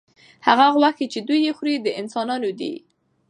هغه غوښې چې دوی یې خوري، د انسانانو دي.